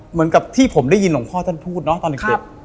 เหมือนกับที่ผมได้ยินหลวงพ่อท่านพูดเนาะตอนเด็ก